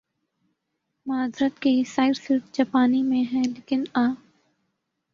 معذرت کہ یہ سائیٹ صرف جاپانی میں ھے لیکن آ